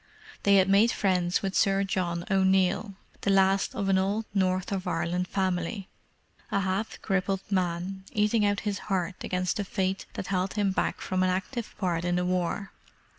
They had made friends with Sir John O'Neill, the last of an old North of Ireland family: a half crippled man, eating out his heart against the fate that held him back from an active part in the war.